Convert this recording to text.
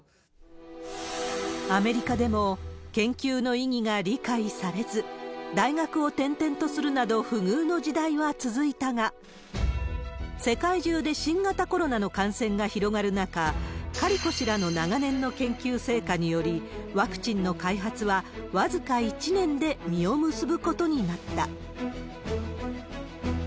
アメリカでも研究の意義が理解されず、大学を転々とするなど、不遇の時代は続いたが、世界中で新型コロナの感染が広がる中、カリコ氏らの長年の研究成果により、ワクチンの開発は僅か１年で実を結ぶことになった。